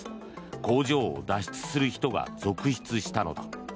工場を脱出する人が続出したのだ。